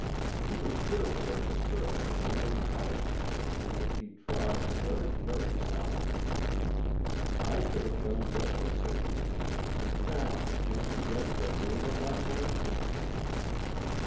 He was fearful of disturbing anyone in the house, and he trod very, very softly. I should have done just the same. Now can't you guess the name of that man?"